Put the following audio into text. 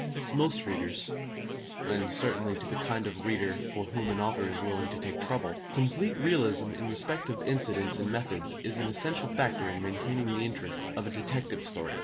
To most readers, and certainly to the kind of reader for whom an author is willing to take trouble, complete realism in respect of incidents and methods is an essential factor in maintaining the interest of a detective story.